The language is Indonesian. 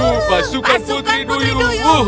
yeay pasukan putri duyu